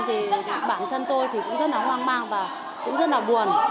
thì bản thân tôi thì cũng rất là hoang mang và cũng rất là buồn